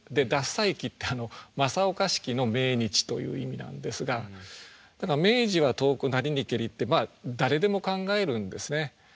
「獺祭忌」って正岡子規の命日という意味なんですがだから「明治は遠くなりにけり」ってまあ誰でも考えるんですね。